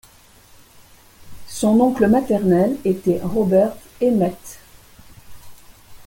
Son oncle maternel était Robert Emmet.